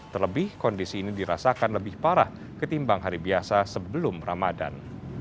terlebih kondisi ini dirasakan lebih parah ketimbang hari biasa sebelum ramadan